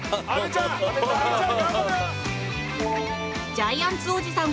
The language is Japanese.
ジャイアンツおじさん